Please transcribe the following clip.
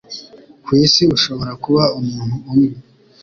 Kwisi ushobora kuba umuntu umwe,